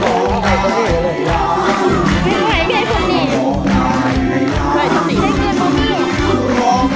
โหให้สตดิบให้ร้อง